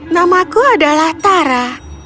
namaku adalah tara